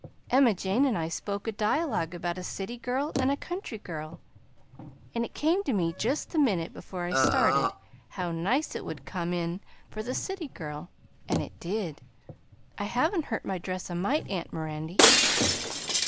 Emma Jane and I spoke a dialogue about a city girl and a country girl, and it came to me just the minute before I started how nice it would come in for the city girl; and it did. I haven't hurt my dress a mite, aunt Mirandy."